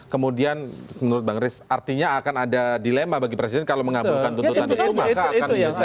kemudian menurut bang riz artinya akan ada dilema bagi presiden kalau mengambilkan tuntutan itu